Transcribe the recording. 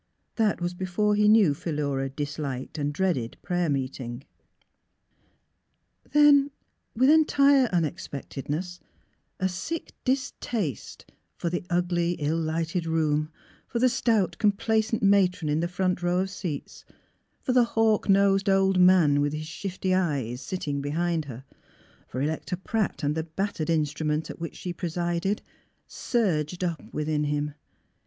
That was before he knew Philura " disliked and dreaded " prayer meeting. Then, with entire unexpectedness, a sick distaste for the ugly, ill lighted room, for the stout complacent matron in the front row of seats, for the hawk nosed old man, with his shifty eyes, sitting behind her, for Electa Pratt, and the bat tered instrument at which she presided, surged up within him.